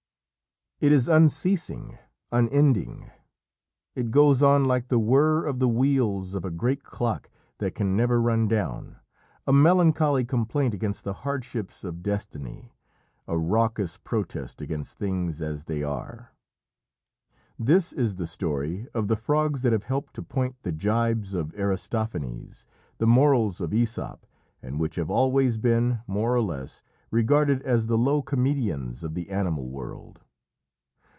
It is unceasing, unending. It goes on like the whirr of the wheels of a great clock that can never run down a melancholy complaint against the hardships of destiny a raucous protest against things as they are. This is the story of the frogs that have helped to point the gibes of Aristophanes, the morals of Æsop, and which have always been, more or less, regarded as the low comedians of the animal world.